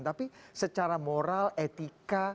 tapi secara moral etika